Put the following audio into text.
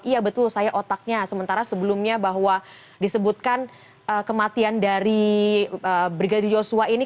iya betul saya otaknya sementara sebelumnya bahwa disebutkan kematian dari brigadir yosua ini